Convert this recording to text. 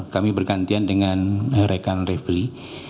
kami bergantian dengan rekan revely